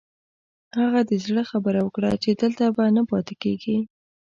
هغه د زړه خبره وکړه چې دلته به نه پاتې کېږي.